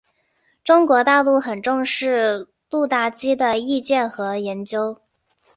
中国大陆很重视鲁达基的译介和研究。